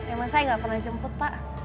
emang saya nggak pernah jemput pak